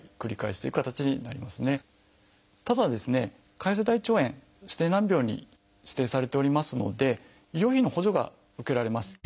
潰瘍性大腸炎指定難病に指定されておりますので医療費の補助が受けられます。